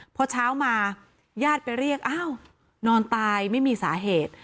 พอเช้ามาญาติไปเรียกอ้าวนอนตายไม่มีสาเหตุ